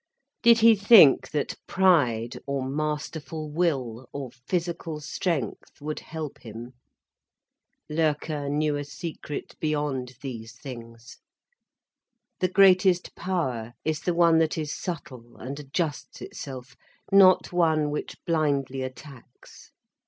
Did he think that pride or masterful will or physical strength would help him? Loerke knew a secret beyond these things. The greatest power is the one that is subtle and adjusts itself, not one which blindly attacks.